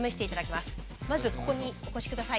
まずここにお越し下さい。